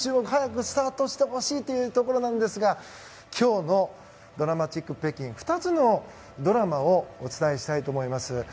早くスタートしてほしいというところですが今日の銅鑼マチック北京２つのドラマをお伝えしたいと思います。